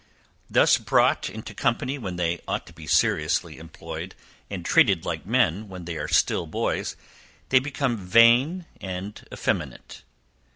Thus brought into company when they ought to be seriously employed, and treated like men when they are still boys, they become vain and effeminate.